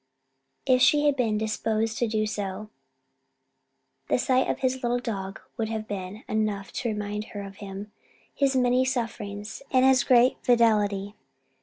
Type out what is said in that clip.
If she had been disposed to do so, the sight of his little dog would have been enough to remind her of him his many sufferings, and his great fidelity.